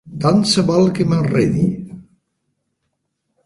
Tant se val que m'enredi.